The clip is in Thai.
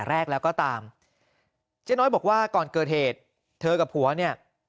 แรกแล้วก็ตามเจ๊น้อยบอกว่าก่อนเกิดเหตุเธอกับผัวเนี่ย